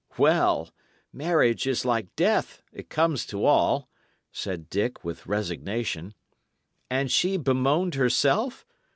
"Well! marriage is like death, it comes to all," said Dick, with resignation. "And she bemoaned herself?